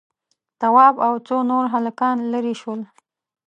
تواب او څو نور هلکان ليرې شول.